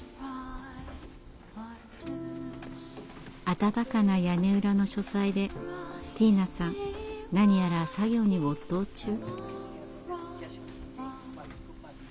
暖かな屋根裏の書斎でティーナさん何やら作業に没頭中。